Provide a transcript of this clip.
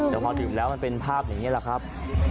แต่พอดื่มแล้วมันเป็นภาพอย่างนี้แหละครับ